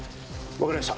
わかりました。